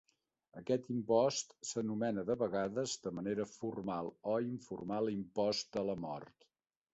Aquest impost s'anomena de vegades, de manera formal o informal, "impost de la mort".